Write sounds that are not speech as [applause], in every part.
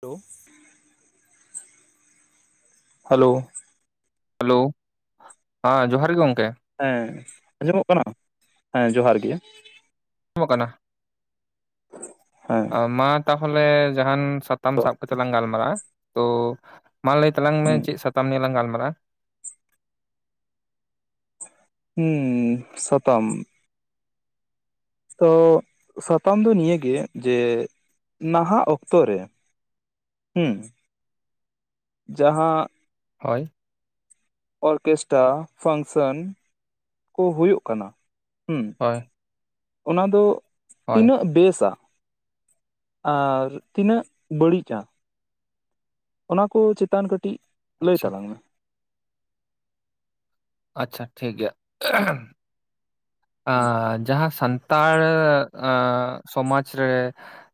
Hello hello. Hello ᱦᱮᱸ ᱡᱚᱦᱟᱨ ᱜᱮ ᱜᱚᱝᱠᱮ ᱾ ᱦᱮᱸ ᱟᱸᱡᱚᱢᱚᱜ ᱠᱟᱱᱟ ᱦᱮᱸ ᱡᱚᱦᱟᱨ ᱜᱮ ᱾ ᱟᱡᱚᱢᱚᱜ ᱠᱟᱱᱟ ᱦᱮᱸ ᱟ ᱢᱟ ᱛᱟᱦᱚᱞᱮ ᱡᱟᱦᱟᱱ ᱥᱟᱛᱟᱢ ᱥᱟᱵ ᱠᱟᱛᱮ ᱞᱟᱝ ᱜᱟᱞᱢᱟᱨᱟᱜᱼᱟ ᱛᱚ ᱢᱟ ᱞᱟᱹᱭ ᱛᱟᱞᱟᱝ ᱢᱮ ᱦᱩᱸ ᱪᱮᱫ ᱥᱟᱛᱟᱢ ᱱᱤᱭᱮ ᱞᱟᱝ ᱜᱟᱞᱢᱟᱨᱟᱜᱼᱟ ᱾ ᱦᱩᱸ ᱥᱟᱛᱟᱢ ᱾ ᱛᱚ ᱥᱟᱛᱟᱢ ᱫᱚ ᱱᱤᱭᱟᱹᱜᱮ ᱡᱮ ᱱᱟᱦᱟᱜ ᱚᱠᱛᱚ ᱨᱮ ᱦᱩᱸ ᱡᱟᱸᱦᱟ ᱦᱳᱭ ᱾ ᱚᱨᱠᱮᱥᱴᱨᱟ ᱯᱷᱟᱝᱥᱮᱱ ᱠᱚ ᱦᱩᱭᱩᱜ ᱠᱟᱱᱟ ᱦᱩᱸ ᱦᱳᱭ ᱾ ᱚᱱᱟ ᱫᱚ ᱛᱤᱱᱟᱹᱜ ᱵᱮᱥᱟ ᱟᱨ ᱛᱤᱱᱟᱹᱜ ᱵᱟᱹᱲᱤᱡᱼᱟ ᱾ ᱚᱱᱟ ᱠᱚ ᱪᱮᱛᱟᱱ ᱠᱟᱹᱴᱤᱡ ᱞᱟᱹᱭ ᱟᱪᱪᱷᱟ ᱛᱟᱞᱟᱝ ᱢᱮ? ᱟᱪᱪᱷᱟ ᱴᱷᱤᱠ ᱜᱮᱭᱟ ᱟᱸ ᱡᱟᱦᱟᱸ ᱥᱟᱱᱛᱟᱲ ᱟᱸ ᱥᱚᱢᱟᱡᱽ ᱨᱮ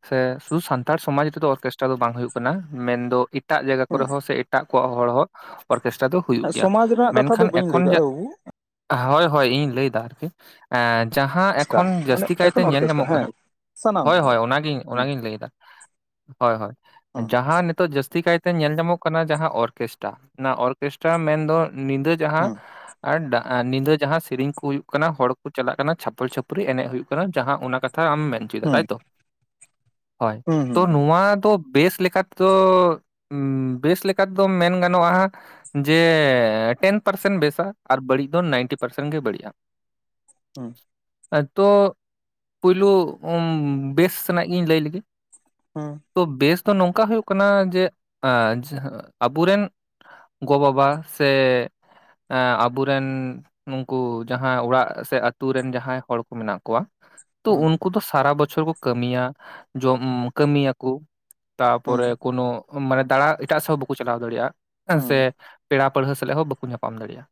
ᱥᱮ ᱥᱩᱫᱷᱩ ᱥᱟᱱᱛᱟᱲ ᱥᱚᱢᱟᱡᱽ ᱨᱮᱫᱚ ᱚᱨᱠᱮᱥᱴᱟᱨ ᱫᱚ ᱵᱟᱝ ᱦᱳᱭᱳᱜ ᱠᱟᱱᱟ ᱢᱮᱱᱫᱚ ᱮᱴᱟᱜ ᱡᱟᱭᱜᱟ ᱦᱮᱸ ᱠᱚᱨᱮ ᱦᱚᱸ ᱥᱮ ᱮᱴᱟᱜ ᱠᱚᱣᱟᱜ ᱦᱚᱲ ᱦᱚᱸ ᱚᱨᱠᱮᱥᱴᱟᱨ ᱫᱚ ᱦᱩᱭᱩᱜ ᱜᱮᱭᱟ ᱥᱚᱢᱟᱡᱽ ᱨᱮᱱᱟᱜ ᱠᱟᱛᱷᱟ ᱫᱚ ᱢᱮᱱᱠᱷᱟᱱ ᱵᱟᱹᱧ ᱮᱠᱷᱚᱱ ᱞᱟᱹᱭ ᱡᱮ ᱠᱟᱜᱼᱟ ᱵᱟᱹᱵᱩ ᱦᱳᱭ ᱦᱳᱭ ᱤᱧ ᱞᱟᱹᱭ ᱮᱫᱟ ᱟᱨᱠᱤ ᱮ ᱡᱟᱦᱟᱸ ᱚᱨᱠᱮᱥᱴᱨᱟ ᱮᱠᱷᱚᱱ ᱢᱟᱱᱮ ᱡᱟᱹᱥᱛᱤ ᱠᱟᱭᱛᱮ ᱮᱠᱮᱱ ᱧᱮᱞ ᱚᱨᱠᱮᱥᱴᱨᱟ ᱧᱟᱢᱚᱜ ᱦᱮᱸ ᱠᱟᱱᱟ ᱥᱟᱱᱟᱢ ᱦᱳᱭ ᱦᱚᱲ ᱦᱳᱭ ᱚᱱᱟᱜᱤᱧ ᱦᱩᱸ ᱚᱱᱟᱜᱤᱧ ᱞᱮᱭᱫᱟ ᱦᱳᱭ ᱦᱳᱭ, ᱦᱩᱸ ᱡᱟᱦᱟᱸ ᱱᱤᱛᱚᱜ ᱡᱟᱹᱥᱛᱤ ᱠᱟᱭᱛᱮ ᱧᱮᱞ ᱧᱟᱢᱚᱜ ᱠᱟᱱᱟ ᱡᱟᱦᱟᱸ ᱚᱨᱠᱮᱥᱴᱟ ᱚᱱᱟ ᱚᱨᱠᱮᱥᱴᱟ ᱢᱮᱱᱫᱚ ᱱᱤᱫᱟᱹ ᱡᱟᱦᱟᱸ ᱦᱩᱸ ᱟᱨ ᱱᱤᱫᱟᱹ ᱡᱟᱦᱟᱸ ᱥᱤᱨᱤᱧ ᱠᱩ ᱦᱩᱭᱩᱜ ᱠᱟᱱᱟ ᱦᱚᱲ ᱠᱚ ᱪᱟᱞᱟᱜ ᱠᱟᱱᱟ ᱪᱷᱟᱯᱚᱞ ᱪᱷᱟᱹᱯᱨᱤ ᱮᱱᱮᱜ ᱦᱩᱭᱩᱜ ᱠᱟᱱᱟ ᱡᱟᱸᱦᱟ ᱚᱱᱟ ᱠᱟᱛᱷᱟ ᱟᱢ ᱢᱮᱱ ᱪᱚᱭᱮᱫᱟ ᱦᱩᱸ ᱛᱟᱭᱛᱚ ᱾ ᱦᱳᱭ ᱛᱚ ᱱᱚᱣᱟ ᱫᱚ ᱵᱮᱥ ᱞᱮᱠᱟ ᱛᱮᱫᱚ ᱵᱮᱥ ᱞᱮᱠᱟ ᱛᱮᱫᱚ ᱢᱮᱱ ᱜᱟᱱᱚᱜᱼᱟ ᱾ ᱡᱮ ᱴᱮᱱ ᱯᱟᱨᱥᱮᱱ ᱵᱮᱥᱟ ᱟᱨ ᱵᱟᱹᱲᱤᱡ ᱫᱚ ᱱᱟᱭᱤᱱᱴᱤ ᱯᱟᱨᱥᱮᱱ ᱜᱮ ᱵᱟᱹᱲᱤᱡᱼᱟ ᱾ ᱦᱩᱸ ᱾ ᱟᱫᱚ ᱯᱩᱭᱞᱩ ᱵᱮᱥ ᱥᱮᱱᱟᱜ ᱜᱤᱧ ᱞᱟᱹᱭ ᱞᱤᱜᱤ ᱾ ᱦᱩᱸ ᱾ ᱛᱚ ᱵᱮᱥ ᱫᱚ ᱱᱚᱝᱠᱟ ᱦᱳᱭᱳᱜ ᱠᱟᱱᱟ ᱡᱮ ᱟᱵᱚᱨᱮᱱ ᱜᱚ ᱵᱟᱵᱟ ᱥᱮ ᱮᱸ ᱟᱵᱚᱨᱮᱱ ᱱᱩᱠᱩ ᱡᱟᱦᱟᱸ ᱚᱲᱟᱜ ᱥᱮ ᱥᱮ ᱟᱛᱩ ᱨᱮᱱ ᱡᱟᱦᱟᱸᱭ ᱦᱚᱲ ᱠᱚ ᱢᱮᱱᱟᱜ ᱠᱚᱭᱟ ᱛᱚ ᱩᱱ ᱠᱩ ᱫᱚ ᱥᱟᱨᱟ ᱵᱚᱪᱷᱚᱨ ᱠᱚ ᱠᱟᱹᱢᱤᱭᱟ ᱡᱚᱢ ᱠᱟᱹᱢᱤᱭᱟᱠᱚ ᱛᱟᱯᱚᱨᱮ ᱠᱚᱱᱚ ᱢᱟᱱᱮ ᱫᱟᱬᱟ ᱮᱴᱟᱜ ᱥᱮᱜ ᱦᱚᱸ ᱵᱟᱠᱚ ᱪᱟᱞᱟᱣ ᱫᱟᱲᱮᱭᱟᱜᱼᱟ ᱦᱮᱸ ᱥᱮ ᱾ ᱯᱮᱲᱟ ᱯᱟᱹᱲᱦᱟᱹ ᱥᱟᱞᱟᱜ ᱦᱚᱸ ᱵᱟᱠᱚ ᱧᱟᱯᱟᱢ ᱫᱟᱲᱮᱭᱟᱜᱼᱟ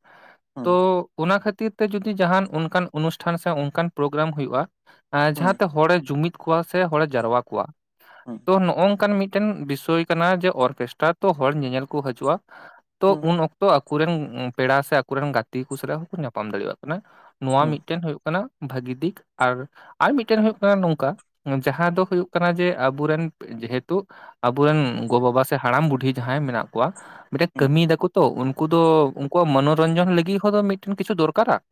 ᱛᱚ ᱚᱱᱟ ᱠᱷᱟᱹᱛᱤᱨ ᱛᱮ ᱡᱩᱫᱤ ᱡᱟᱦᱟᱱ ᱩᱱ ᱠᱟᱱ ᱚᱱᱩᱥᱴᱷᱟᱱ ᱥᱮ ᱚᱱᱠᱟᱱ ᱯᱨᱳᱜᱨᱟᱢ ᱦᱩᱭᱩᱜᱼᱟ ᱡᱟᱦᱟᱸᱛᱮ ᱦᱚᱲᱮ ᱡᱩᱢᱤᱫ ᱠᱚᱣᱟ ᱥᱮ ᱦᱚᱲᱮ ᱡᱟᱨᱣᱟ ᱠᱚᱣᱟ ᱛᱚ ᱱᱚᱜᱼᱚᱱᱠᱟᱱ ᱢᱤᱫ ᱴᱮᱱ ᱵᱤᱥᱚᱭ ᱠᱟᱱᱟ ᱡᱮ ᱚᱨᱠᱮᱥᱴᱟᱨ ᱛᱚ ᱦᱚᱲ ᱧᱮᱧᱮᱞ ᱠᱚ ᱦᱟᱹᱡᱩᱜᱼᱟ ᱛᱚ ᱩᱱ ᱚᱠ ᱛᱚ ᱟᱠᱩᱨᱮᱱ ᱯᱮᱲᱟ ᱥᱮ ᱟᱠᱚᱨᱮᱱ ᱜᱟᱛᱮ ᱠᱚ ᱥᱟᱞᱟᱜ ᱦᱚᱸᱠᱚ ᱧᱟᱯᱟᱢ ᱫᱟᱲᱮᱭᱟᱜ ᱠᱟᱱᱟ ᱱᱚᱶᱟ ᱢᱤᱜᱴᱮᱱ ᱦᱩᱭᱩᱜ ᱠᱟᱱᱟ ᱵᱷᱟᱜᱤ ᱫᱤᱠ ᱟᱨ ᱟᱨ ᱢᱤᱫᱴᱮᱱ ᱦᱩᱭᱩᱜ ᱠᱟᱱᱟ ᱱᱚᱝᱠᱟ ᱡᱟᱦᱟᱸ ᱫᱚ ᱦᱩᱭᱩᱜ ᱠᱟᱱᱟ ᱡᱮ ᱟᱵᱚᱨᱮᱱ ᱡᱮᱦᱮᱛᱩ ᱟᱵᱚᱨᱮᱱ ᱜᱚᱼᱵᱟᱵᱟ ᱥᱮ ᱦᱟᱲᱟᱢ ᱵᱩᱰᱷᱤ ᱡᱟᱦᱟᱸᱭ ᱢᱮᱱᱟᱜ ᱠᱚᱣᱟ, ᱢᱤᱫᱴᱮᱜ ᱠᱟᱹᱢᱤᱭ ᱫᱟᱠᱚ ᱛᱚ ᱩᱱᱠᱩ ᱫᱚ ᱩᱱᱠᱩᱣᱟᱜ ᱢᱚᱱᱚᱨᱚᱧᱡᱚᱱ ᱞᱟᱹᱜᱤᱜ ᱦᱚᱸ ᱫᱚ ᱢᱤᱫᱴᱮᱱ ᱠᱤᱪᱷᱩ ᱫᱚᱨᱠᱟᱨᱟ ᱾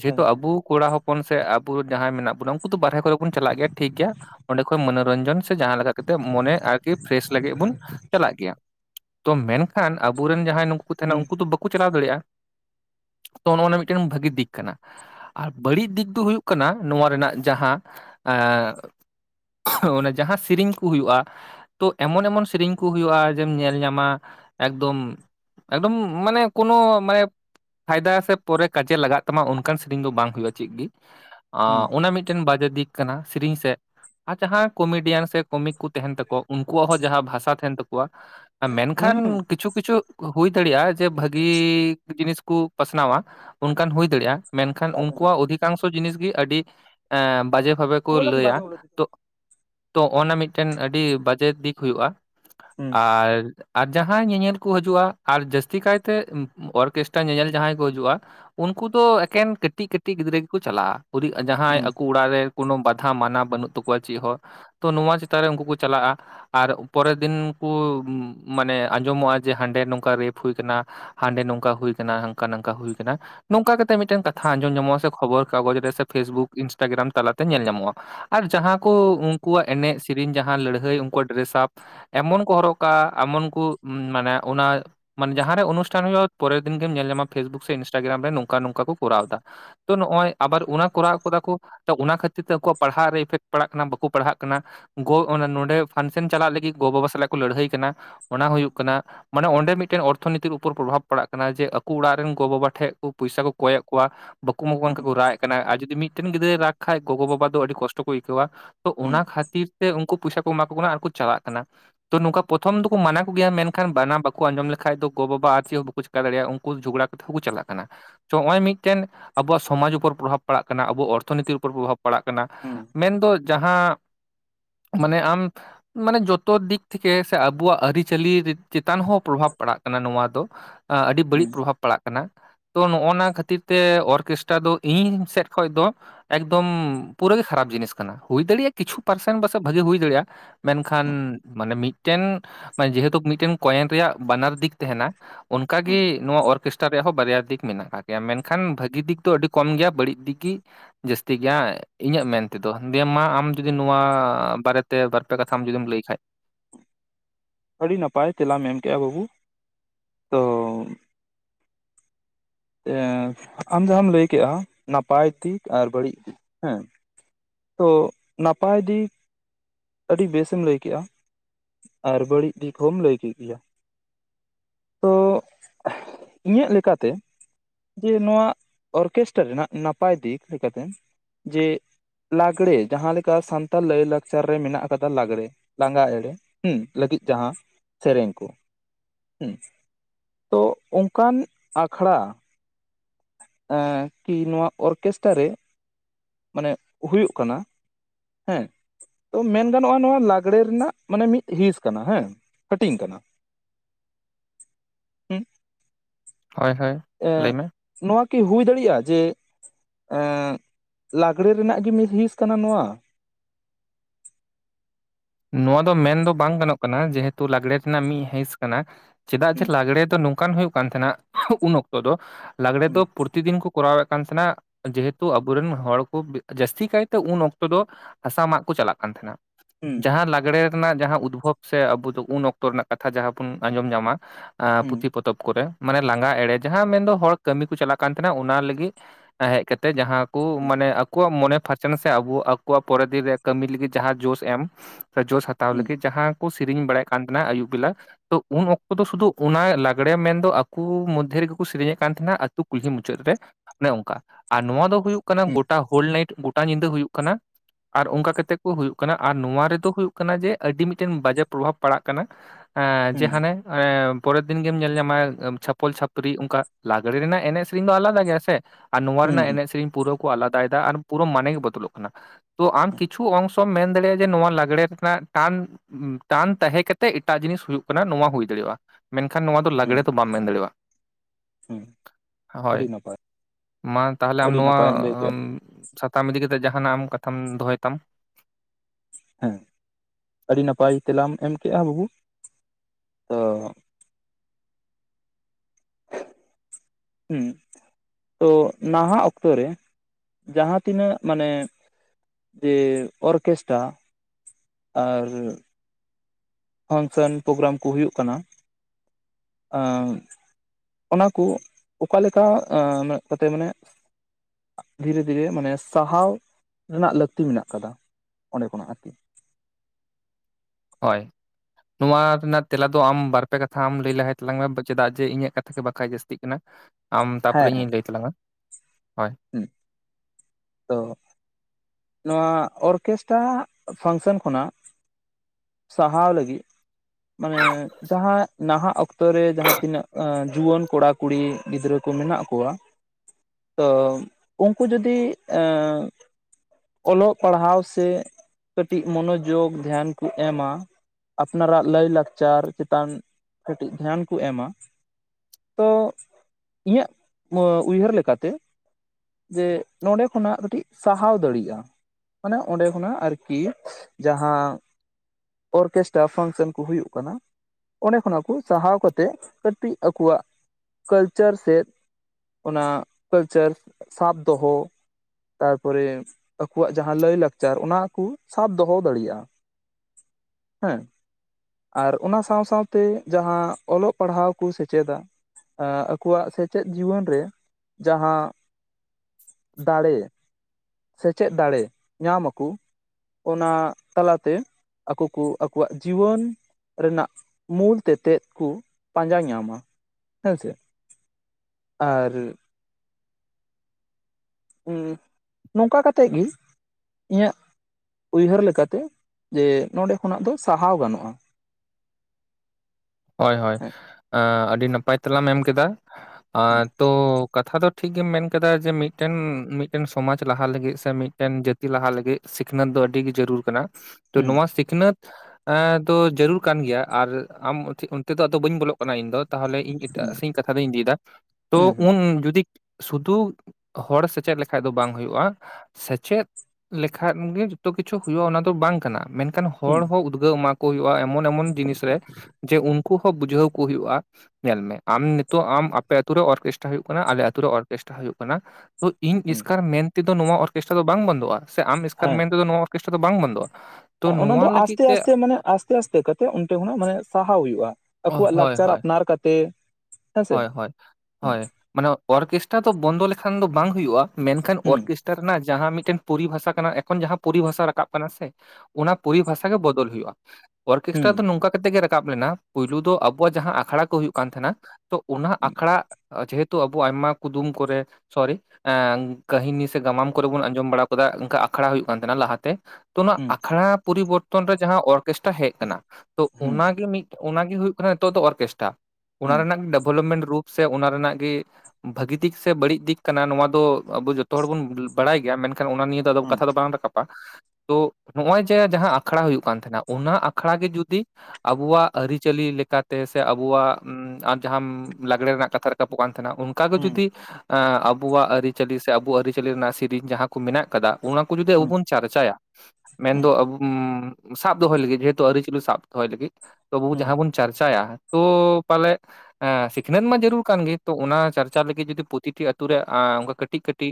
ᱡᱮᱦᱮᱛᱩ ᱟᱵᱚ ᱠᱚᱲᱟ ᱦᱚᱯ ᱚᱱ ᱥᱮ ᱟᱵᱚ ᱡᱟᱦᱟᱸᱭ ᱢᱮᱱᱟᱜ ᱵᱚᱱᱟ ᱩᱱᱠᱩ ᱫᱚ ᱵᱟᱨᱦᱮ ᱠᱚᱨᱮ ᱵᱚᱱ ᱪᱟᱞᱟᱜ ᱜᱮᱭᱟ ᱴᱷᱤᱠ ᱜᱮᱭᱟ ᱚᱸᱰᱮ ᱠᱷᱚᱡ ᱢᱚᱱᱚᱨᱚᱧᱡᱚᱱ ᱥᱮ ᱡᱟᱦᱟᱸ ᱞᱮᱠᱟ ᱠᱟᱛᱮᱜ ᱢᱚᱱᱮ ᱟᱨᱠᱤ ᱯᱷᱨᱮᱥ ᱞᱟᱹᱜᱤᱜ ᱵᱚᱱ ᱪᱟᱞᱟᱜ ᱜᱮᱭᱟ᱾ ᱛᱚ ᱢᱮᱱᱠᱷᱟᱱ ᱟᱵᱚᱨᱮᱱ ᱡᱟᱦᱟᱸᱭ ᱱᱩᱠᱩ ᱠᱚ ᱛᱟᱦᱮᱱᱟ ᱩᱱᱠᱩ ᱫᱚ ᱵᱟ ᱠᱚ ᱪᱟᱞᱟᱣ ᱫᱟᱲᱮᱭᱟᱜᱼᱟ ᱛᱚ ᱱᱚᱜ ᱚᱱᱟ ᱢᱤᱫᱴᱮᱱ ᱵᱷᱟᱹᱜᱤ ᱫᱤᱠ ᱠᱟᱱᱟ᱾ ᱟᱨ ᱵᱟᱹᱲᱤᱡ ᱫᱤᱠ ᱫᱚ ᱦᱩᱭᱩᱜ ᱠᱟᱱᱟ ᱱᱚᱣᱟ ᱨᱮᱱᱟᱜ ᱡᱟᱦᱟᱸ ᱮᱸᱜ ᱚᱱᱟ ᱡᱟᱦᱟᱸ ᱥᱤᱨᱤᱧ ᱠᱚ ᱦᱩᱭᱩᱜᱼᱟ ᱛᱚ ᱮᱢᱚᱱ ᱮᱢᱚᱱ ᱥᱤᱨᱤᱧ ᱠᱚ ᱦᱩᱭᱩᱜᱼᱟ ᱡᱮ ᱧᱮᱞ ᱧᱟᱢᱟ ᱮᱠᱫᱚᱢ ᱮᱠᱫᱚᱢ ᱢᱟᱱᱮ ᱠᱳᱱᱚ ᱢᱟᱱᱮ ᱯᱷᱟᱭᱫᱟ ᱥᱮ ᱯᱚᱨᱮ ᱠᱟᱡᱮ ᱞᱟᱜᱟᱜ ᱛᱟᱢᱟ ᱚᱱᱠᱟᱱ ᱥᱮᱤᱨᱤᱧ ᱫᱚ ᱵᱟᱝ ᱦᱩᱭᱩᱜᱼᱟ ᱪᱤᱫ ᱜᱮ ᱚᱱᱟ ᱢᱤᱫᱴᱮᱱ ᱵᱟᱡᱮ ᱫᱤᱠ ᱠᱟᱱᱟ ᱥᱤᱨᱤᱧ ᱥᱮᱫ, ᱟᱨ ᱡᱟᱦᱟᱸ ᱠᱚᱢᱮᱰᱤᱭᱟᱱ ᱥᱮ ᱠᱚᱢᱤᱠ ᱠᱚ ᱛᱟᱦᱮᱱ ᱛᱟᱠᱚᱣᱟ ᱩᱱᱠᱩᱣᱟᱜ ᱦᱚᱸ ᱡᱟᱦᱟᱸ ᱵᱷᱟᱥᱟ ᱛᱟᱦᱮᱱ ᱛᱟᱠᱚᱣᱟ ᱾ ᱢᱮᱱᱠᱷᱟᱱ ᱠᱤᱪᱷᱩ ᱠᱤᱪᱷᱩ ᱦᱩᱭ ᱫᱟᱲᱮᱭᱟᱜᱼᱟ ᱡᱮ ᱵᱷᱟᱜᱤ ᱡᱤᱱᱤᱥ ᱠᱚ ᱯᱟᱥᱱᱟᱣᱟ ᱚᱱᱠᱟᱱ ᱦᱩᱭ ᱫᱟᱲᱮᱭᱟᱜᱼᱟ, ᱢᱮᱱᱠᱷᱟᱱ ᱩᱱᱠᱩᱣᱟᱜ ᱚᱫᱤᱠ ᱠᱟᱝᱥᱚ ᱡᱤᱱᱤᱥ ᱜᱮ ᱟᱹᱰᱤ ᱮᱸ ᱵᱟᱡᱮ ᱵᱷᱟᱵᱮ ᱠᱚ ᱞᱟᱹᱭᱟ ᱛᱚ ᱛᱚ ᱚᱱᱟ ᱢᱤᱫᱴᱮᱱ ᱟᱹᱰᱤ ᱵᱟᱡᱮ ᱫᱤᱠ ᱦᱩᱭᱩᱜᱼᱟ, ᱟᱨ ᱟᱨ ᱡᱟᱦᱟᱸᱭ ᱧᱮᱧᱮᱞ ᱠᱚ ᱦᱤᱡᱩᱜᱼᱟ ᱟᱨ ᱡᱟᱹᱥᱛᱤ ᱠᱟᱭᱛᱮ ᱚᱨᱠᱮᱥᱴᱨᱟ ᱧᱮᱧᱮᱞ ᱡᱟᱦᱟᱸᱭ ᱠᱚ ᱦᱤᱡᱩᱜᱼᱟ [unintelligible] ᱩᱱᱠᱩ ᱫᱚ ᱮᱠᱮᱱ ᱠᱟᱹᱴᱤᱡ ᱠᱟᱹᱴᱤᱡ ᱜᱤᱫᱽᱨᱟᱹ ᱜᱮᱠᱚ ᱪᱟᱞᱟᱜᱼᱟ, ᱡᱟᱦᱟᱸᱭ ᱟᱠᱚ ᱚᱲᱟᱜ ᱨᱮ ᱠᱳᱱᱚ ᱵᱟᱫᱷᱟ ᱢᱟᱱᱟ ᱵᱟᱱᱩᱜ ᱛᱟᱠᱚ ᱠᱚᱣᱟ ᱪᱮᱫ ᱦᱚᱸ, ᱛᱚ ᱱᱚᱣᱟ ᱪᱮᱛᱟᱱ ᱨᱮ ᱩᱱᱠᱩ ᱠᱚ ᱪᱟᱞᱟᱜᱼᱟ ᱾ ᱟᱨ ᱯᱚᱨᱮᱨ ᱫᱤᱱ ᱠᱚ ᱢᱟᱱᱮ ᱟᱸᱡᱚᱢᱚᱜᱼᱟ ᱡᱮ ᱦᱟᱸᱰᱮ ᱱᱚᱝᱠᱟ ᱨᱮᱯ ᱦᱩᱭ ᱠᱟᱱᱟ ᱾ ᱦᱟᱸᱰᱮ ᱱᱚᱝᱠᱟ ᱦᱩᱭ ᱠᱟᱱᱟ ᱦᱟᱝᱠᱟ ᱱᱟᱝᱠᱟ ᱦᱩᱭ ᱠᱟᱱᱟ ᱾ ᱱᱚᱝᱠᱟ ᱠᱟᱛᱮᱜ ᱢᱤᱫᱴᱮᱱ ᱠᱟᱛᱷᱟ ᱟᱸᱡᱚᱢ ᱧᱟᱢᱚᱜᱼᱟ ᱥᱮ ᱠᱷᱚᱵᱚᱨ ᱠᱟᱜᱚᱡ ᱨᱮ ᱥᱮ ᱯᱷᱮᱥᱵᱩᱠ ᱤᱱᱥᱴᱟᱜᱨᱟᱢ ᱛᱟᱞᱟᱛᱮ ᱧᱮᱞ ᱧᱟᱢᱚᱜᱼᱟ᱾ ᱟᱨ ᱡᱟᱦᱟᱸ ᱠᱚ ᱩᱱᱠᱩᱣᱟᱜ ᱮᱱᱮᱡ ᱥᱮᱨᱤᱧ ᱡᱟᱦᱟᱸ ᱞᱟᱹᱲᱦᱟᱹᱭ ᱩᱱᱠᱩᱣᱟᱜ ᱰᱨᱮᱥᱟᱯ ᱮᱢᱚᱱ ᱠᱚ ᱦᱚᱨᱚᱜ ᱠᱟᱜᱼᱟ ᱮᱢᱚᱱ ᱠᱚ ᱢᱟᱱᱮ ᱚᱱᱟ ᱢᱟᱱᱮ ᱡᱟᱦᱟᱸᱨᱮ ᱚᱱᱩᱥᱴᱷᱟᱱ ᱦᱩᱭᱩᱜᱼᱟ ᱯᱚᱨᱮᱨ ᱫᱤᱱ ᱜᱮᱢ ᱧᱮᱞ ᱧᱟᱢᱟ ᱯᱷᱮᱥᱵᱩᱠ ᱥᱮ ᱤᱱᱥᱴᱟᱜᱨᱟᱢ ᱨᱮ ᱱᱚᱝᱠᱟ ᱱᱚᱝᱠᱟ ᱠᱚ ᱠᱚᱨᱟᱣ ᱫᱟ᱾ ᱛᱚ ᱱᱚᱜ-ᱚᱭ ᱟᱵᱟᱨ ᱚᱱᱟ ᱠᱚᱨᱟᱣ ᱠᱚᱫᱟ ᱠᱚ, ᱛᱚ ᱚᱱᱟ ᱠᱷᱟᱹᱛᱤᱨ ᱛᱮ ᱟᱠᱣᱟᱜ ᱯᱟᱲᱦᱟᱜ ᱨᱮ ᱤᱯᱷᱮᱠᱴ ᱯᱟᱲᱟᱜ ᱠᱟᱱᱟ ᱵᱟᱠᱚ ᱯᱟᱲᱦᱟᱜ ᱠᱟᱱᱟ ᱾ ᱜᱚ ᱱᱚᱰᱮ ᱯᱷᱟᱱᱥᱮᱱ ᱪᱟᱞᱟᱜ ᱞᱟᱹᱜᱤᱫ ᱜᱚ-ᱵᱟᱵᱟ ᱥᱟᱞᱟᱜ ᱠᱚ ᱞᱟᱹᱲᱦᱟᱹᱭ ᱠᱟᱱᱟ ᱾ ᱚᱱᱟ ᱦᱳᱭᱳᱜ ᱠᱟᱱᱟ ᱢᱟᱱᱮ ᱚᱸᱰᱮ ᱢᱤᱫ ᱴᱮᱱ ᱚᱨᱛᱷᱚᱱᱤᱛᱤᱨ ᱩᱯᱚᱨ ᱯᱨᱚᱵᱷᱟᱵᱽ ᱯᱟᱲᱟᱜ ᱠᱟᱱᱟ ᱡᱮ ᱟᱠᱚ ᱚᱲᱟᱜ ᱨᱮᱱ ᱜᱚ ᱵᱟᱵᱟ ᱴᱷᱮᱡ ᱯᱩᱭᱥᱟ ᱠᱚ ᱠᱚᱭᱮᱫ ᱠᱚᱣᱟ ᱵᱟᱠᱩ ᱮᱢᱟᱜ ᱠᱟᱱ ᱠᱚ ᱨᱟᱜ ᱮᱫ ᱠᱟᱱᱟ ᱟᱨ ᱡᱩᱫᱤ ᱢᱤᱫᱴᱮᱱ ᱜᱤᱫᱽᱨᱟᱹᱭ ᱨᱟᱜᱽ ᱠᱷᱟᱡ ᱜᱚᱜᱚ ᱵᱟᱵᱟ ᱫᱚ ᱟᱹᱰᱤ ᱠᱚᱥᱴᱚ ᱠᱚ ᱟᱹᱭᱠᱟᱹᱣᱟ, ᱛᱚ ᱚᱱᱟ ᱠᱷᱟᱛᱤᱨ ᱩᱱᱠᱩ ᱯᱩᱭᱥᱟ ᱠᱚ ᱮᱢᱟ ᱠᱚ ᱠᱟᱱᱟ ᱟᱨ ᱠᱚ ᱪᱟᱞᱟᱜ ᱠᱟᱱᱟ᱾ ᱛᱚ ᱱᱚᱝᱠᱟ ᱯᱨᱚᱛᱷᱚᱢ ᱫᱚᱠᱚ ᱢᱟᱱᱟ ᱠᱚᱜᱮᱭᱟ ᱢᱮᱱᱠᱷᱟᱱ ᱵᱟᱱᱟ ᱵᱟᱠᱚ ᱟᱸᱡᱚᱢ ᱞᱮᱠᱷᱟᱡ ᱫᱚ ᱜᱚᱼ ᱵᱟᱵᱟ ᱟᱨ ᱪᱮᱫ ᱦᱚᱸ ᱵᱟᱠᱚ ᱪᱤᱠᱟᱹ ᱪᱮᱠᱟ ᱫᱟᱲᱮᱭᱟᱜ ᱩᱱᱠᱩ ᱡᱷᱚᱜᱲᱟ ᱠᱟᱛᱮ ᱦᱚᱠᱚ ᱪᱟᱞᱟᱜᱼᱟ ᱾ ᱛᱚ ᱱᱚᱜ-ᱚᱭ ᱢᱤᱫᱴᱮᱱ ᱟᱵᱚᱣᱟᱜ ᱥᱚᱢᱡᱽ ᱩᱯᱚᱨ ᱯᱨᱚᱵᱷᱟᱵᱽ ᱯᱟᱲᱟᱜ ᱠᱟᱱᱟ ᱟᱵᱚ ᱚᱨᱛᱷᱚᱱᱤᱛᱤ ᱩᱯᱚᱨ ᱯᱨᱚᱵᱷᱟᱵᱽ ᱯᱟᱲᱟᱜ ᱠᱟᱱᱟ᱾ ᱢᱮᱱᱫᱚ ᱡᱟᱦᱟᱸᱼᱼ ᱢᱟᱱᱮ ᱟᱢ ᱢᱟᱱᱮ ᱡᱚᱛᱚ ᱫᱤᱠ ᱛᱷᱮᱠᱮ ᱥᱮ ᱟᱵᱩᱣᱟᱜ ᱟᱹᱨᱤᱪᱟᱹᱞᱤ ᱪᱮᱛᱟᱱ ᱦᱚᱸ ᱯᱨᱚᱵᱷᱟᱵᱽ ᱯᱟᱲᱟᱜ ᱠᱟᱱᱟ ᱱᱚᱣᱟ ᱫᱚ ᱟᱹᱰᱤ ᱵᱟᱹᱲᱤᱡ ᱯᱨᱚᱵᱷᱟᱵᱽ ᱯᱟᱲᱟᱜ ᱠᱟᱱᱟ ᱾ ᱛᱚ ᱱᱚᱜᱼᱟ ᱱᱚᱣᱟ ᱠᱷᱟᱹᱛᱤᱨ ᱛᱮ ᱚᱨᱠᱮᱥᱴᱨᱟ ᱫᱚ ᱤᱧ ᱥᱮᱫ ᱠᱷᱚᱡ ᱫᱚᱼᱼ ᱮᱠᱫᱚᱢ ᱯᱩᱨᱟᱹᱜᱮ ᱠᱷᱟᱨᱟᱯ ᱡᱤᱱᱤᱥ ᱠᱟᱱᱟ ᱦᱩᱭ ᱫᱟᱲᱮᱭᱟᱜᱼᱟ ᱠᱤᱪᱷᱩ ᱯᱟᱨᱥᱮᱱ ᱯᱟᱥᱮᱡ ᱵᱷᱟᱜᱤ ᱦᱩᱭ ᱫᱟᱲᱮᱭᱟᱜᱼᱟ᱾ ᱢᱮᱱᱠᱷᱟᱱ ᱢᱟᱱᱮ ᱢᱤᱫᱴᱮᱱ ᱡᱮᱦᱮᱛᱩ ᱢᱤᱫᱴᱮᱱ ᱠᱚᱭᱮᱱ ᱨᱮᱭᱟᱜ ᱵᱟᱱᱟᱨ ᱫᱤᱠ ᱛᱟᱦᱮᱱᱟᱼᱼ ᱚᱱᱠᱟ ᱜᱮ ᱱᱚᱣᱟ ᱚᱨᱠᱮᱥᱴᱟᱨ ᱨᱮᱭᱟᱜ ᱦᱚᱸ ᱵᱟᱨᱭᱟ ᱫᱤᱠᱼᱼ ᱢᱮᱱᱟᱜ ᱠᱮᱭᱟ ᱢᱮᱱ ᱠᱷᱟᱱ ᱵᱷᱟᱹᱜᱤ ᱫᱤᱠ ᱫᱚ ᱟᱹᱰᱤ ᱠᱚᱢ ᱜᱮᱭᱟ ᱵᱟᱹᱲᱤᱡ ᱫᱤᱠ ᱜᱮᱼᱼ ᱡᱟᱹᱥᱛᱤ ᱜᱮᱭᱟ ᱤᱧᱟᱹᱜ ᱢᱮᱱ ᱛᱮᱫᱚ ᱫᱤᱭᱮ ᱢᱟ ᱟᱢ ᱡᱩᱫᱤ ᱱᱚᱣᱟ ᱵᱟᱨᱮᱛᱮ ᱵᱟᱨ ᱯᱮ ᱠᱟᱛᱷᱟ ᱟᱢ ᱡᱩᱫᱤᱢ ᱞᱟᱹᱭ ᱠᱷᱟᱱ ᱟᱹᱰᱤ ᱱᱟᱯᱟᱭ ᱛᱮᱞᱟᱢ ᱮᱢ ᱠᱮᱜᱼᱟ ᱵᱟᱹᱵᱩ ᱛᱚᱼᱼ ᱮᱸ ᱟᱢ ᱡᱟᱦᱟᱸᱢ ᱞᱟᱹᱭ ᱠᱮᱜᱼᱟ ᱱᱟᱯᱟᱭ ᱫᱤᱠ ᱟᱨ ᱵᱟᱹᱲᱤᱡ ᱫᱤᱠ ᱦᱮᱸᱼᱼ ᱛᱚ ᱱᱟᱯᱟᱭ ᱫᱤᱠᱼᱼ ᱟᱹᱰᱤ ᱵᱮᱥᱮᱢ ᱞᱟᱹᱭ ᱠᱮᱜᱼᱟ ᱟᱨ ᱵᱟᱹᱲᱤᱡ ᱫᱤᱠ ᱦᱚᱢ ᱞᱟᱹᱭ ᱠᱮᱜ ᱜᱤᱭᱟ ᱛᱚ ᱤᱧᱟᱹᱜ ᱞᱮᱠᱟ ᱛᱮᱼᱼ ᱡᱮ ᱱᱚᱣᱟ ᱚᱨᱠᱮᱥᱴᱟᱨ ᱨᱮᱱᱟᱜ ᱱᱟᱯᱟᱭ ᱫᱤᱠ ᱞᱮᱠᱟᱛᱮᱼᱼ ᱡᱮ ᱞᱟᱜᱽᱲᱮ ᱡᱟᱦᱟᱸ ᱞᱮᱠᱟ ᱥᱟᱱᱛᱟᱲ ᱞᱟᱹᱭ ᱞᱟᱠᱪᱟᱨᱼᱼ ᱨᱮ ᱢᱮᱱᱟᱜ ᱠᱟᱫᱟ ᱞᱟᱜᱽᱲᱮ ᱞᱟᱸᱜᱟ ᱮᱲᱮ ᱦᱩᱸ ᱞᱟᱹᱜᱤᱫ ᱡᱟᱦᱟᱸ ᱥᱮᱨᱮᱧ ᱠᱚᱼᱼ ᱦᱩᱸ ᱛᱚ ᱚᱱᱠᱟᱱ ᱟᱠᱷᱲᱟᱼᱼ ᱮᱸ ᱠᱤ ᱱᱚᱣᱟ ᱚᱨᱠᱮᱥᱴᱟᱨ ᱨᱮᱼᱼ ᱢᱟᱱᱮ ᱦᱩᱭᱩᱜ ᱠᱟᱱᱟ ᱦᱮᱸ᱾ ᱛᱚ ᱢᱮᱱ ᱜᱟᱱᱚᱜᱼᱟ ᱱᱚᱣᱟ ᱞᱟᱜᱽᱲᱮ ᱨᱮᱱᱟᱜ ᱢᱟᱱᱮ ᱢᱤᱫ ᱦᱤᱸᱥ ᱠᱟᱱᱟ ᱦᱮᱸ ᱦᱟᱹᱴᱤᱧ ᱠᱟᱱᱟ ᱦᱩᱸ ᱦᱳᱭ ᱦᱳᱭ ᱮᱸ ᱞᱟᱹᱭ ᱢᱮ ᱱᱚᱣᱟ ᱠᱤ ᱦᱩᱭ ᱫᱟᱲᱮᱭᱟᱜᱼᱟ ᱡᱮ, ᱮᱸ ᱞᱟᱜᱽᱲᱮ ᱨᱮᱱᱟᱜ ᱜᱤ ᱢᱤᱫ ᱦᱤᱸᱥ ᱠᱟᱱᱟ ᱱᱚᱣᱟ ᱱᱚᱣᱟ ᱫᱚ ᱢᱮᱱ ᱫᱚ ᱵᱟᱝ ᱜᱟᱱᱚᱜ ᱠᱟᱱᱟ ᱡᱮᱦᱮᱛᱩ ᱞᱟᱜᱽᱲᱮ ᱨᱮᱱᱟᱜ ᱢᱤᱫ ᱦᱤᱸᱥ [unintelligible] ᱪᱮᱫᱟᱜ ᱡᱮ ᱦᱩᱸ ᱞᱟᱜᱽᱲᱮ ᱫᱚ ᱱᱚᱝᱠᱟᱱ ᱦᱩᱭᱩᱜ ᱠᱟᱱ ᱛᱟᱦᱮᱱᱟ ᱩᱱ ᱚᱠᱛᱚ ᱫᱚᱼᱼ ᱞᱟᱜᱽᱲᱮ ᱦᱩᱸ ᱫᱚ ᱯᱨᱚᱛᱤᱱ ᱠᱚᱼᱼ ᱠᱚᱨᱟᱣ ᱮᱫ ᱠᱟᱱ ᱛᱟᱦᱮᱱᱟ ᱡᱮᱦᱮᱛᱩ ᱟᱵᱚ ᱨᱮᱱ ᱦᱚᱲ ᱠᱚ ᱡᱟᱹᱥᱛᱤ ᱠᱟᱭᱛᱮ ᱩᱱ ᱚᱠᱛᱚ ᱫᱚ ᱦᱟᱥᱟ ᱢᱟᱜ ᱠᱚ ᱪᱟᱞᱟᱜ ᱠᱟᱱ ᱛᱟᱦᱮᱱᱟ ᱦᱩᱸ ᱡᱟᱦᱟᱸ ᱞᱟᱜᱽᱲᱮ ᱨᱮᱱᱟᱜ ᱡᱟᱦᱟᱸ ᱩᱫᱽᱵᱷᱚᱵᱽ ᱥᱮ ᱟᱵᱚ ᱫᱚ ᱩᱱ ᱚᱠᱛᱚ ᱨᱮᱱᱟᱜ ᱠᱟᱛᱷᱟ ᱡᱟᱦᱟᱸ ᱵᱚᱱ ᱟᱸᱡᱚᱢ ᱧᱟᱢᱟ ᱟᱸ ᱦᱩᱸ ᱯᱩᱛᱷᱤ ᱯᱚᱛᱚᱵ ᱠᱚᱨᱮ ᱢᱟᱱᱮ ᱞᱟᱸᱜᱟ ᱮᱲᱮ ᱡᱟᱦᱟᱸ ᱢᱮᱱ ᱫᱚ ᱦᱚᱲ ᱠᱟᱹᱢᱤ ᱠᱚ ᱪᱟᱞᱟᱜ ᱠᱟᱱ ᱛᱟᱦᱮᱸᱱᱟ ᱚᱱᱟ ᱞᱟᱹᱜᱤᱫ ᱦᱮᱡ ᱠᱟᱛᱮᱜ ᱡᱟᱦᱟᱸᱼᱼ ᱟᱠᱚ ᱦᱩᱸ ᱢᱟᱱᱮ ᱟᱠᱚᱣᱟᱜ ᱢᱚᱱᱮ ᱯᱷᱟᱨᱪᱟ ᱱᱟᱥᱮ ᱟᱵᱚ ᱟᱠᱚᱣᱟᱜ ᱯᱚᱨᱮᱨ ᱫᱤᱱ ᱨᱮ ᱠᱟᱹᱢᱤ ᱞᱟᱹᱜᱤᱫ ᱡᱟᱦᱟᱸ ᱡᱳᱥ ᱮᱢ ᱡᱚᱥ ᱦᱟᱛᱟᱣ ᱞᱟᱹᱜᱤᱫ ᱡᱟᱦᱟᱸ ᱠᱚ ᱥᱮᱨᱮᱧ ᱵᱟᱲᱟᱭᱮᱫ ᱠᱟᱱ ᱛᱟᱦᱮᱱᱟ ᱟᱭᱩᱵ ᱵᱮᱞᱟ ᱛᱚ ᱩᱱ ᱚᱠᱛᱚ ᱫᱚ ᱥᱩᱫᱩ ᱚᱱᱟ ᱞᱟᱜᱽᱲᱮ ᱢᱮᱱ ᱫᱚ ᱟᱠᱚ ᱢᱚᱫᱽᱫᱷᱮ ᱨᱮᱜᱮ ᱠᱚ ᱥᱮᱨᱮᱧᱮᱫ ᱠᱟᱱ ᱛᱟᱸᱦᱮᱱᱟ ᱟᱹᱛᱩ ᱠᱩᱞᱦᱤ ᱢᱩᱪᱟᱹᱫ ᱨᱮ ᱚᱱᱮ ᱚᱝᱠᱟ ᱟᱨ ᱱᱚᱣᱟ ᱫᱚᱼᱼ ᱦᱩᱭᱩᱜ ᱠᱟᱱᱟ ᱦᱩᱸ ᱜᱚᱴᱟ ᱦᱳᱞ ᱱᱟᱭᱤᱴ ᱜᱚᱴᱟ ᱧᱤᱫᱟᱹ ᱦᱩᱭᱩᱜ ᱠᱟᱱᱟ ᱟᱨ ᱚᱱᱠᱟ ᱠᱟᱛᱮ ᱠᱚ ᱦᱩᱭᱩᱜ ᱠᱟᱱᱟ ᱟᱨ ᱱᱚᱣᱟ ᱨᱮᱫᱚ ᱦᱩᱭᱩᱜ ᱠᱟᱱᱟ ᱡᱮ ᱟᱹᱰᱤ ᱢᱤᱫᱴᱮᱱ ᱵᱟᱡᱮ ᱯᱨᱚᱵᱷᱟᱵᱽ ᱯᱟᱲᱟᱜ ᱠᱟᱱᱟ ᱮᱸ ᱡᱮ ᱦᱩᱸ ᱦᱟᱱᱮ ᱮᱸ ᱯᱚᱨᱮᱨ ᱫᱤᱱ ᱜᱮᱢ ᱧᱮᱞ ᱧᱟᱢᱟ ᱪᱷᱟᱯᱚᱞ ᱪᱷᱟᱹᱯᱟᱹᱨᱤ ᱚᱱᱠᱟ ᱞᱟᱜᱽᱲᱮ ᱨᱮᱱᱟᱜ ᱮᱱᱮᱡ ᱥᱮᱨᱮᱧ ᱫᱚ ᱟᱞᱟᱫᱟ ᱜᱮᱭᱟ ᱥᱮ ᱱᱚᱣᱟ ᱨᱮᱱᱟᱜ ᱦᱩᱸ ᱮᱱᱮᱡ ᱥᱮᱨᱮᱧ ᱯᱩᱨᱟᱹ ᱠᱚ ᱟᱞᱟᱫᱟᱭ ᱮᱫᱟ ᱟᱨ ᱯᱩᱨᱟᱹ ᱢᱟᱱᱮ ᱜᱮ ᱵᱚᱫᱚᱞᱚᱜ ᱠᱟᱱᱟ ᱛᱚ ᱟᱢ ᱦᱩᱸ ᱠᱤᱪᱷᱩ ᱚᱝᱥᱚᱼᱼ ᱢᱮᱱ ᱫᱟᱲᱮᱭᱟᱜᱼᱟ ᱡᱮ ᱱᱚᱣᱟ [unintelligible] ᱞᱟᱜᱽᱲᱮ ᱨᱮᱱᱟᱜ ᱴᱟᱱ ᱴᱟᱱ ᱛᱟᱦᱮᱸ ᱠᱟᱛᱮᱜ ᱮᱴᱟᱜ ᱡᱤᱱᱤᱥ ᱦᱳᱭ ᱠᱟᱱᱟ ᱱᱚᱣᱟ ᱦᱩᱭ ᱫᱟᱲᱮᱭᱟᱜᱼᱟ ᱢᱮᱱ ᱠᱷᱟᱱ ᱱᱚᱣᱟ ᱫᱚ ᱞᱟᱜᱽᱲᱮ ᱫᱚ ᱵᱟᱢ ᱢᱮᱱ ᱫᱟᱲᱮᱣᱟᱜᱼᱟ ᱦᱮᱸ ᱦᱳᱭ ᱢᱟ ᱛᱟᱦᱞᱮ ᱟᱢ ᱟᱹᱰᱤ ᱱᱚᱣᱟ ᱱᱟᱯᱟᱭᱮᱢ ᱞᱟᱹᱭ ᱠᱮᱜᱼᱟ ᱟᱢᱼᱼ ᱥᱟᱛᱟᱢ ᱤᱫᱤ ᱠᱟᱛᱮ ᱡᱟᱦᱟᱱᱟᱜ ᱟᱢ ᱠᱟᱛᱷᱟᱢ ᱫᱚᱦᱚᱭ ᱛᱟᱢ ᱦᱮᱸ ᱟᱹᱰᱤ ᱱᱟᱯᱟᱭ ᱛᱮᱞᱟᱢ ᱮᱢ ᱠᱮᱜᱼᱟ ᱵᱟᱹᱵᱩ ᱛᱚᱼᱼ ᱦᱩᱸ ᱛᱚ ᱱᱟᱦᱟᱜ ᱚᱠᱛᱚ ᱨᱮ ᱡᱟᱦᱟᱸ ᱛᱤᱱᱟᱹᱜ ᱢᱟᱱᱮᱼᱼ ᱡᱮ ᱚᱨᱠᱮᱥᱴᱨᱟ ᱟᱨᱼᱼ ᱯᱷᱟᱱᱥᱮᱱ ᱯᱨᱳᱜᱨᱟᱢ ᱠᱚ ᱦᱩᱭᱩᱜ ᱠᱟᱱᱟ ᱮᱸ ᱚᱱᱟ ᱠᱚ ᱚᱠᱟᱞᱮᱠᱟ ᱢᱮᱱᱟᱜ ᱠᱟᱛᱮ ᱢᱟᱱᱮ, ᱫᱷᱤᱨᱮ ᱫᱷᱤᱨᱮ ᱢᱟᱱᱮ ᱥᱟᱦᱟᱣ ᱨᱮᱱᱟᱜ ᱞᱟᱹᱠᱛᱤ ᱢᱮᱱᱟᱜ ᱟᱠᱟᱫᱟ ᱚᱸᱰᱮ ᱠᱷᱚᱱᱟᱜ ᱟᱨᱠᱤ ᱦᱚᱭ, ᱱᱚᱣᱟ ᱨᱮᱱᱟᱜ ᱛᱮᱞᱟ ᱫᱚ ᱟᱢ ᱵᱟᱨᱯᱮ ᱠᱟᱛᱷᱟ ᱟᱢ ᱞᱟᱹᱭ ᱞᱟᱦᱟᱭ ᱛᱟᱞᱟᱝ ᱢᱮ ᱪᱮᱫᱟᱜ ᱡᱮ ᱤᱧᱟᱹᱜ ᱠᱟᱛᱷᱟ ᱜᱮ ᱵᱟᱠᱟᱱ ᱡᱟᱹᱥᱛᱤᱜ ᱠᱟᱱᱟ, [unintelligible] ᱟᱢ ᱛᱟᱯᱚᱨᱮ ᱦᱮᱸ ᱤᱧᱤᱧ ᱞᱟᱹᱭ ᱛᱟᱞᱟᱝ-ᱟ ᱦᱳᱭ᱾ ᱦᱮᱸ ᱛᱚ, ᱱᱚᱣᱟ ᱚᱨᱠᱮᱥᱴᱨᱟ ᱯᱷᱟᱱᱥᱮᱱ ᱠᱷᱚᱱᱟᱜ ᱥᱟᱦᱟᱣ ᱞᱟᱹᱜᱤᱫ᱾ ᱢᱟᱱᱮ ᱡᱟᱦᱟᱸ ᱱᱟᱦᱟᱜ ᱚᱠᱛᱚ᱾ ᱚᱠᱛᱚᱨ ᱨᱮ ᱡᱟᱦᱟᱸ ᱛᱤᱱᱟᱹᱜ ᱡᱩᱣᱟᱹᱱ ᱠᱚᱲᱟ ᱠᱩᱲᱤ ᱜᱤᱫᱽᱨᱟᱹ ᱠᱚ ᱢᱮᱱᱟᱜ ᱠᱚᱣᱟ᱾ ᱛᱚ ᱩᱱᱠᱩ ᱡᱩᱫᱤ ᱮᱸ, ᱚᱞᱚᱜ ᱯᱟᱲᱦᱟᱣ ᱥᱮ ᱠᱟᱹᱴᱤᱡ ᱢᱚᱱᱚᱡᱳᱜᱽ ᱥᱮ ᱫᱷᱮᱭᱟᱱ ᱠᱚ ᱮᱢᱟ᱾ ᱟᱯᱱᱟᱨᱟᱜ ᱞᱟᱹᱭ ᱞᱟᱠᱪᱟᱨ ᱪᱮᱛᱟᱱ ᱠᱟᱹᱴᱤᱡ ᱫᱷᱮᱭᱟᱱ ᱠᱩ ᱮᱢᱟ, ᱛᱚ ᱤᱧᱟᱹᱜ ᱩᱭᱦᱟᱹᱨ ᱞᱮᱠᱟᱛᱮ, ᱡᱮ ᱱᱚᱸᱰᱮ ᱠᱷᱚᱱᱟᱜ ᱠᱟᱹᱴᱤᱡ ᱥᱟᱦᱟᱣ ᱫᱟᱲᱤᱭᱟᱜᱼᱟ᱾ ᱢᱟᱱᱮ ᱚᱸᱰᱮ ᱠᱷᱚᱱᱟᱜ ᱟᱨᱠᱤ ᱡᱟᱦᱟᱸ᱾ ᱚᱨᱠᱮᱥᱴᱨᱟ ᱯᱷᱟᱱᱥᱮᱱ ᱠᱚ ᱦᱩᱭᱩᱜ ᱠᱟᱱᱟ᱾ ᱚᱸᱰᱮ ᱠᱷᱚᱱᱟᱜ ᱠᱚ ᱥᱟᱦᱟᱣ ᱠᱟᱛᱮᱫ ᱠᱟᱹᱴᱤᱡ ᱟᱠᱚᱣᱟᱜ ᱠᱟᱞᱪᱟᱨ ᱥᱮᱫ᱾ ᱚᱱᱟ ᱠᱟᱞᱪᱟᱨ ᱥᱟᱵ ᱫᱚᱦᱚ ᱛᱟᱨᱯᱚᱨᱮ᱾ ᱟᱠᱚᱣᱟᱜ ᱡᱟᱦᱟᱸ ᱞᱟᱹᱭᱞᱟᱠᱪᱟᱨ ᱚᱱᱟ ᱠᱩ ᱥᱟᱵ ᱫᱚᱦᱚ ᱫᱟᱲᱮᱭᱟᱜᱼᱟ ᱦᱮᱸ᱾ ᱟᱨ ᱚᱱᱟ ᱥᱟᱶ ᱥᱟᱶ ᱛᱮ ᱡᱟᱦᱟᱸ ᱚᱞᱚᱜ ᱯᱟᱲᱦᱟᱣ ᱠᱩ ᱥᱮᱪᱮᱫᱟ ᱾ ᱟᱠᱩᱣᱟᱜ ᱥᱮᱪᱮᱫ ᱡᱤᱭᱚᱱ ᱨᱮ ᱡᱟᱦᱟᱸ ᱫᱟᱲᱮ ᱥᱮᱪᱮᱫ ᱫᱟᱲᱮ ᱧᱟᱢ ᱟᱠᱩ ᱚᱱᱟ ᱛᱟᱞᱟ ᱛᱮ ᱟᱠᱩ ᱠᱩ ᱟᱠᱩᱣᱟᱜ ᱡᱤᱭᱚᱱ ᱨᱮᱱᱟᱜ ᱢᱩᱞ ᱛᱮᱛᱮᱫ ᱠᱩ ᱯᱟᱸᱡᱟ ᱧᱟᱢᱟ ᱦᱮᱸᱥᱮ ᱟᱨ ᱦᱩᱸ ᱱᱚᱝᱠᱟ ᱠᱟᱛᱮᱫ ᱜᱤ ᱤᱧᱟᱹᱜ ᱩᱭᱦᱟᱹᱨ ᱞᱮᱠᱟ ᱛᱮ ᱡᱮ ᱱᱚᱸᱰᱮ ᱠᱷᱚᱱᱟᱜ ᱫᱚ ᱥᱟᱦᱟᱣ ᱜᱟᱱᱚᱜ-ᱟ ᱾ ᱦᱳᱭ ᱦᱳᱭ, ᱦᱮᱸ ᱟᱹᱰᱤ ᱱᱟᱯᱟᱭ ᱛᱮᱞᱟᱢ ᱮᱢ ᱠᱮᱫᱟ ᱟᱨ ᱛᱚ ᱠᱟᱛᱷᱟ ᱫᱚ ᱴᱷᱤᱠ ᱜᱮᱢ ᱢᱮᱱ ᱠᱟᱫᱟ ᱡᱮ ᱢᱤᱫᱴᱮᱱ ᱢᱤᱫᱴᱮᱱ ᱥᱚᱢᱟᱡᱽ ᱞᱟᱦᱟ ᱞᱟᱹᱜᱤᱫ ᱥᱮ ᱢᱤᱫᱴᱮᱱ ᱡᱟᱹᱛᱤ ᱛᱤ ᱞᱟᱦᱟ ᱞᱟᱹᱜᱤᱫ ᱥᱤᱠᱷᱱᱟᱹᱛ ᱫᱚ ᱟᱹᱰᱤ ᱜᱮ ᱡᱟᱹᱨᱩᱨ ᱠᱟᱱᱟ ᱾ ᱛᱚ ᱦᱩᱸ ᱱᱚᱣᱟ ᱥᱤᱠᱷᱱᱟᱹᱛ ᱫᱚ ᱡᱟᱹᱨᱩᱨ ᱠᱟᱱ ᱜᱮᱭᱟ ᱾ ᱟᱨ ᱟᱢ ᱚᱱᱛᱮ ᱫᱚ ᱟᱫᱚ ᱵᱟᱹᱧ ᱵᱚᱞᱚᱜ ᱠᱟᱱᱟ ᱤᱧ ᱫᱚ ᱛᱟᱦᱚᱞᱮ ᱤᱧ ᱮᱴᱟᱜ ᱦᱩᱸ ᱥᱮᱡ ᱠᱟᱛᱷᱟ ᱫᱩᱧ ᱤᱫᱤᱭ ᱮᱫᱟ ᱾ ᱛᱚ ᱦᱩᱸ ᱦᱩᱸ ᱩᱱ ᱡᱩᱫᱤ ᱥᱩᱫᱩ ᱦᱚᱲ ᱥᱮᱪᱮᱫ ᱞᱮᱠᱷᱟᱡ ᱫᱚ ᱵᱟᱝ ᱦᱩᱭᱩᱜᱼᱟ᱾ ᱥᱮᱪᱮᱫ ᱞᱮᱠᱷᱟᱱ ᱜᱮ ᱡᱚᱛᱚ ᱠᱤᱪᱷᱩ ᱦᱩᱭᱩᱜᱼᱟ ᱚᱱᱟ ᱫᱚ ᱵᱟᱝ ᱠᱟᱱᱟ ᱾ ᱢᱮᱱ ᱠᱷᱟᱱ ᱦᱚ ᱦᱚᱲ ᱦᱩᱸ ᱦᱚᱸ ᱩᱫᱽᱜᱟᱹᱣ ᱮᱢᱟ ᱠᱚ ᱦᱩᱭᱩᱜᱼᱟ ᱮᱢᱚᱱ ᱮᱢᱚᱱ ᱡᱤᱱᱤᱥ ᱨᱮ, ᱡᱮ ᱩᱱᱠᱩ ᱦᱚᱸ ᱵᱩᱡᱷᱟᱹᱣ ᱠᱚ ᱦᱩᱭᱩᱜᱼᱟ᱾ ᱧᱮᱞ ᱢᱮ ᱟᱢ ᱱᱤᱛᱚᱜ ᱟᱢ ᱟᱯᱮ ᱟᱛᱩ ᱨᱮ ᱚᱨᱠᱮᱥᱴᱟᱨ ᱦᱩᱭᱩᱜ ᱠᱟᱱᱟ ᱟᱞᱮ ᱟᱛᱩ ᱨᱮ ᱚᱨᱠᱮᱥᱴᱟᱨ ᱦᱩᱭᱩᱜ ᱠᱟᱱᱟ ᱛᱚ ᱤᱧ ᱦᱩᱸ ᱮᱥᱠᱟᱨ ᱢᱮᱱ ᱛᱮ ᱫᱚ ᱱᱚᱣᱟ ᱚᱨᱠᱮᱥᱴᱨ ᱫᱚ ᱵᱟᱝ ᱵᱚᱱᱫᱚᱜᱼᱟ ᱾ ᱥᱮ ᱟᱢ ᱮᱥᱠᱟᱨ ᱦᱮᱸ ᱢᱮᱱ ᱛᱮ ᱫᱚ ᱱᱚᱣᱟ ᱚᱨᱠᱮᱥᱴᱟᱨ ᱫᱚ ᱵᱟᱝ ᱵᱚᱱᱫᱚᱜᱼᱟ ᱾ ᱦᱮᱸ ᱚᱱᱟ ᱫᱚ ᱟᱥᱛᱮ ᱟᱥᱛᱮ ᱢᱟᱱᱮ ᱟᱥ ᱟᱥᱛᱮ ᱟᱥᱛᱮ ᱠᱟᱛᱮ ᱚᱱᱛᱮ ᱠᱷᱚᱱᱟᱜ ᱢᱟᱱᱮ ᱥᱟᱦᱟᱣ ᱦᱩᱭᱩᱜᱼᱟ ᱾ ᱟᱠᱚᱣᱟᱜ ᱦᱳᱭ ᱞᱟᱠᱪᱟᱨ ᱦᱳᱭ ᱟᱯᱱᱟᱨ ᱠᱟᱛᱮ ᱦᱮᱸᱥᱮ ᱦᱳᱭ ᱦᱳᱭ ᱦᱩᱸ ᱦᱳᱭ ᱾ᱢᱟᱱᱮ ᱚᱨᱠᱮᱥᱴᱨᱟ ᱫᱚ ᱵᱚᱱᱫᱚ ᱞᱮᱠᱷᱟᱱ ᱫᱚ ᱵᱟᱝ ᱦᱩᱭᱩᱜᱼᱟ ᱢᱮᱱᱠᱷᱟᱱ ᱦᱩᱸ ᱚᱨᱠᱮᱥᱴ ᱴᱟᱨ ᱨᱮᱱᱟᱜ ᱡᱟᱦᱟᱸ ᱢᱤᱫᱴᱮᱱ ᱯᱚᱨᱤ ᱵᱷᱟᱥᱟ ᱠᱟᱱᱟ ᱮᱠᱷᱚᱱ ᱡᱟᱦᱟᱸ ᱯᱚᱨᱤ ᱵᱷᱟᱥᱟ ᱨᱟᱠᱟᱵ ᱠᱟᱱᱟ ᱥᱮ ᱚᱱᱟ ᱯᱚᱨᱤ ᱵᱷᱟᱥᱟ ᱜᱮ ᱵᱚᱫᱚᱞ ᱦᱩᱭᱩᱜᱼᱟ ᱾ ᱦᱩᱸ ᱚᱨᱜᱮᱥᱴᱟᱨ ᱫᱚ ᱱᱚᱝᱠᱟ ᱠᱟᱛᱮᱜ ᱜᱮ ᱨᱟᱠᱟᱵ ᱞᱮᱱᱟ ᱯᱩᱭᱞᱩ ᱫᱚ ᱟᱵᱚ ᱡᱟᱦᱟᱸ ᱟᱠᱷᱲᱟ ᱠᱚ ᱦᱩᱭᱩᱜ ᱠᱟᱱ ᱛᱟᱦᱮᱸᱱᱟᱼᱼ ᱛᱚ ᱚᱱᱟ ᱦᱩᱸ ᱟᱠᱷᱲᱟ ᱡᱮᱦᱮᱛᱩ ᱟᱵᱚ ᱟᱭᱢᱟ ᱠᱩᱫᱩᱢ ᱠᱚᱨᱮᱼᱼ ᱥᱚᱨᱤ, ᱮᱸ ᱠᱟᱹᱦᱱᱤ ᱥᱮ ᱜᱟᱢᱟᱢ ᱠᱚᱨᱮ ᱵᱚᱱ ᱟᱸᱡᱚᱢ ᱵᱟᱲᱟᱣ ᱠᱟᱫᱟ ᱟᱝᱠᱟ ᱟᱠᱷᱲᱟ ᱦᱩᱭᱩᱜ ᱠᱟᱱ ᱛᱟᱦᱮᱸᱱᱟ ᱞᱟᱦᱟ ᱛᱮ᱾ ᱛᱳ ᱚᱱᱟ ᱦᱩᱸ ᱟᱠᱷᱲᱟ ᱯᱚᱨᱤ ᱵᱚᱨᱛᱚᱱ ᱨᱮ ᱡᱟᱦᱟᱸ ᱚᱨᱜᱮᱥᱴᱟᱨ ᱦᱮᱡ ᱠᱟᱱᱟ ᱛᱳ ᱦᱩᱸ ᱚᱱᱟᱜᱮ ᱢᱤᱫᱼᱼ ᱚᱱᱟ ᱜᱮ ᱦᱩᱭᱩᱜ ᱠᱟᱱᱟ ᱱᱤᱛᱚᱜ ᱫᱚ ᱚᱨᱜᱮᱥᱴᱟᱨ᱾ ᱚᱱᱟ ᱦᱩᱸ ᱨᱮᱱᱟᱜ ᱜᱮ ᱰᱮᱵᱷᱞᱚᱯᱢᱮᱱᱴ ᱨᱩᱯ ᱥᱮ ᱚᱱᱟ ᱨᱮᱱᱟᱜ ᱜᱮ ᱵᱷᱟᱹᱜᱤ ᱫᱤᱠ ᱥᱮ ᱵᱟᱹᱲᱤᱡ ᱫᱤᱠ ᱠᱟᱱᱟ ᱱᱚᱣᱟ ᱫᱚ ᱟᱵᱚ ᱡᱚᱛᱚ ᱦᱚᱲ ᱵᱚᱱ ᱵᱟᱲᱟᱭ ᱜᱮᱭᱟ ᱢᱮᱱ ᱠᱷᱟᱱ ᱚᱱᱟ ᱱᱤᱭᱮ ᱫᱚ ᱟᱫᱚ ᱦᱩᱸ ᱠᱟᱛᱷᱟ ᱫᱚ ᱵᱟᱝ ᱨᱟᱠᱟᱵᱼᱟ ᱾ ᱛᱳ ᱱᱚᱜᱼᱚᱭ ᱡᱮ ᱡᱟᱦᱟᱸ ᱟᱠᱷᱲᱟ ᱦᱩᱭᱩᱜ ᱠᱟᱱ ᱛᱟᱦᱮᱸᱱᱟ ᱚᱱᱟ ᱟᱠᱷᱲᱟ ᱜᱮ ᱡᱩᱫᱤ ᱟᱵᱩᱣᱟᱜ ᱟᱹᱨᱤᱪᱟᱹᱞᱤ ᱞᱮᱠᱟ ᱛᱮ ᱥᱮ ᱟᱵᱩᱣᱟᱜ ᱩᱸ ᱡᱟᱦᱟᱸᱢ ᱞᱟᱜᱽᱲᱮ ᱨᱮᱱᱟᱜ ᱠᱟᱛᱷᱟ ᱨᱟᱠᱟᱵᱚᱜ ᱠᱟᱱ ᱛᱟᱦᱮᱸᱱᱟ ᱚᱱᱠᱟ ᱜᱮ ᱦᱩᱸ ᱦᱩᱸ ᱡᱩᱫᱤ ᱟᱸ ᱟᱵᱩᱣᱟᱜ ᱟᱹᱨᱤᱪᱟᱹᱞᱤ ᱥᱮ ᱟᱵᱩ ᱟᱹᱨᱤᱪᱟᱹᱞᱤ ᱨᱮᱱᱟᱜ ᱥᱮᱤᱨᱤᱧ ᱡᱟᱦᱟᱸ ᱠᱩ ᱢᱮᱱᱟᱜ ᱠᱟᱫᱟ ᱚᱱᱟ ᱠᱩ ᱡᱩᱫᱤ ᱟᱵᱚ ᱦᱩᱸ ᱵᱚᱱ ᱪᱟᱨᱪᱟᱭᱟ ᱢᱮᱱᱫᱚ ᱟᱵᱚ ᱥᱟᱵ ᱫᱚᱦᱚᱭ ᱞᱟᱹᱜᱤᱫ ᱡᱮᱦᱮᱛᱩ ᱟᱹᱨᱤᱪᱟᱹᱞᱤ ᱥᱟᱵ ᱫᱚᱦᱚᱭ ᱞᱟᱹᱜᱤᱫ ᱛᱚ ᱟᱵᱩ ᱡᱟᱦᱟᱸ ᱵᱚᱱ ᱪᱟᱨᱪᱟᱭᱟ ᱛᱳ ᱯᱟᱞᱮᱫ ᱟᱸ ᱥᱤᱠᱷᱱᱟᱹᱛ ᱢᱟ ᱡᱟᱨᱩᱨ ᱠᱟᱱ ᱜᱮ ᱛᱚ ᱚᱱᱟ ᱪᱟᱨᱪᱟᱭ ᱞᱟᱹᱜᱤᱫ ᱡᱩᱫᱤ ᱯᱨᱚᱛᱤᱴᱤ ᱟᱛᱩᱨ ᱨᱮ ᱚᱝᱠᱟ ᱠᱟᱹᱴᱤᱡ ᱠᱟᱹᱴᱤᱡ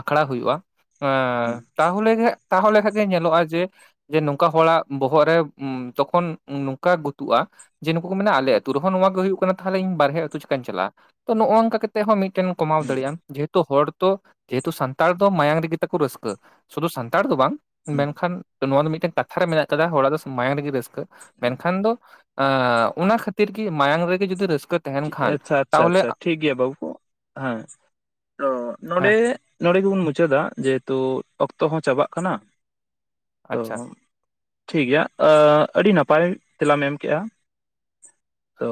ᱟᱠᱷᱲᱟ ᱦᱩᱭᱩᱜᱼᱟ ᱾ ᱮ ᱦᱩᱸ ᱦᱩᱸ ᱛᱟᱦᱚᱞᱮ ᱜᱮ ᱛᱟᱦᱚᱞᱮ ᱠᱷᱟᱡ ᱜᱮ ᱧᱮᱞᱚᱜᱼᱟ ᱡᱮ ᱡᱮ ᱱᱚᱝᱠᱟ ᱦᱚᱲᱟᱜ ᱵᱚᱦᱚᱜ ᱨᱮ ᱛᱚᱠᱷᱚᱱ ᱱᱚᱝᱠᱟ ᱜᱩᱛᱩᱜᱼᱟ ᱡᱮ ᱱᱩᱠᱩ ᱠᱚ ᱢᱮᱱᱟ ᱟᱞᱮ ᱟ ᱟᱹᱛᱩ ᱨᱮᱦᱚᱸ ᱱᱚᱣᱟ ᱜᱮ ᱦᱩᱭᱩᱜ ᱠᱟᱱᱟ ᱾ ᱛᱟᱦᱚᱞᱮ ᱤᱧ ᱵᱟᱨᱦᱮ ᱟᱹᱛᱩ ᱪᱤᱠᱟᱹᱧ ᱪᱟᱞᱟᱜᱼᱟ ᱾ ᱛᱚ ᱱᱚᱜᱚ ᱱᱚᱝᱠᱟ ᱠᱟᱛᱮ ᱦᱚᱸ ᱢᱤᱫᱴᱮᱱ ᱠᱚᱢᱟᱣ ᱫᱟᱲᱮᱭᱟᱜ ᱟᱢ ᱾ ᱡᱮᱦᱮᱛᱩ ᱦᱚᱲ ᱛᱚ ᱡᱮᱦᱮᱛᱩ ᱥᱟᱱᱛᱟᱲ ᱫᱚ ᱢᱟᱭᱟᱝ ᱨᱮᱜᱮ ᱛᱟᱠᱚ ᱨᱟᱹᱥᱠᱟᱹ ᱾ ᱥᱩᱫᱷᱩ ᱥᱟᱱᱛᱟᱲ ᱫᱚ ᱵᱟᱝ ᱦᱩᱸ ᱢᱮᱱᱠᱷᱟᱱ ᱱᱚᱣᱟ ᱫᱚ ᱢᱤᱫᱴᱮᱱ ᱠᱟᱛᱷᱟ ᱨᱮ ᱢᱮᱱᱟᱜ ᱠᱟᱫᱟ, ᱦᱚᱲᱟᱜ ᱫᱚ ᱢᱟᱭᱟᱝ ᱨᱮᱜᱮ ᱨᱟᱹᱥᱠᱟᱹ, ᱢᱮᱱᱠᱷᱟᱱ ᱫᱚ ᱟᱸ ᱚᱱᱟ ᱠᱷᱟᱹᱛᱤᱨ ᱜᱮ ᱢᱟᱭᱟᱝ ᱨᱮᱜᱮ ᱡᱩᱫᱤ ᱨᱟᱹᱥᱠᱟᱹ ᱛᱟᱦᱮᱱ ᱠᱷᱟᱱ ᱟᱪᱪᱷᱟ ᱟᱪᱪᱷᱟ ᱛᱟᱦᱚᱞᱮ ᱟᱪᱪᱷᱟ ᱴᱷᱤᱠ ᱜᱮᱭᱟ ᱵᱟᱹᱵᱩ ᱠᱚ, ᱟᱸ ᱛᱚ ᱱᱚᱸᱰᱮ ᱦᱮᱸ ᱱᱚᱸᱰᱮ ᱜᱮᱵᱚᱱ ᱢᱩᱪᱟᱹᱫᱟ, ᱡᱮᱦᱮᱛᱩ ᱚᱠᱛᱚ ᱦᱚᱸ ᱪᱟᱵᱟᱜ ᱠᱟᱱᱟ ᱾ ᱟᱪᱪᱷᱟ ᱛᱳ᱾ ᱴᱷᱤᱠ ᱜᱮᱭᱟ ᱟᱹᱼᱟᱹᱰᱤ ᱱᱟᱯᱟᱭ ᱛᱮᱞᱟᱢ ᱮᱢ ᱠᱮᱜᱼᱟ᱾ ᱛᱚ